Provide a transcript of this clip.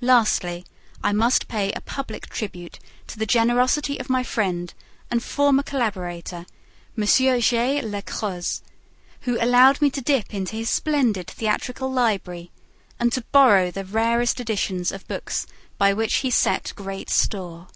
Lastly, I must pay a public tribute to the generosity of my friend and former collaborator, M. J. Le Croze, who allowed me to dip into his splendid theatrical library and to borrow the rarest editions of books by which he set great store.